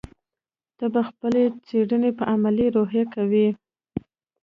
ته به خپلې څېړنې په علمي روحیه کوې.